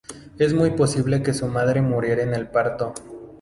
Es muy posible que su madre muriera en el parto.